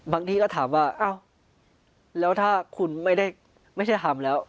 บางทีก็ถามว่าอ้าวแล้วถ้าคุณไม่ได้ไม่ได้ถามแล้ว